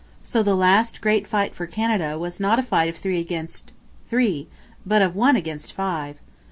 So the last great fight for Canada was not a fight of three against three; but of one against five.